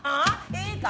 いいか？